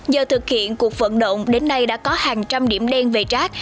do thực hiện cuộc vận động đến nay đã có hàng trăm điểm đen về rác